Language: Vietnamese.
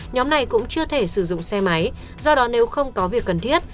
nhóm này cũng chưa thể sử dụng xe máy do đó nếu không có việc cần thiết